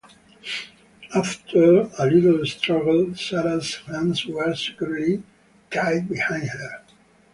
After a little struggle Sarah's hands were securely tied behind her.